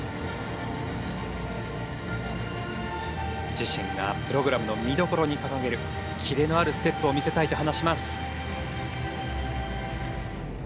自身がプログラムの見どころに掲げるキレのあるステップを見せたいと話します。